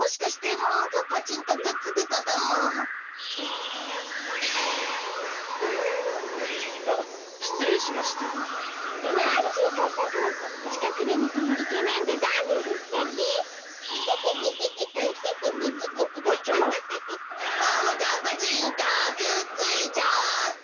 ももかっぱちんとくっついちゃおうっと！